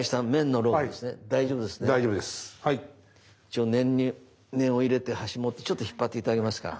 一応念には念を入れて端持ってちょっと引っ張って頂けますか？